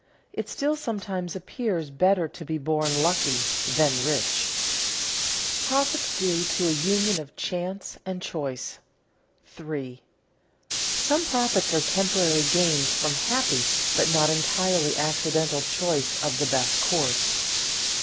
It still sometimes appears better to be born lucky than rich. [Sidenote: Profits due to a union of chance and choice] 3. _Some profits are temporary gains from happy but not entirely accidental choice of the best course.